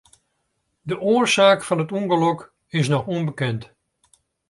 De oarsaak fan it ûngelok is noch ûnbekend.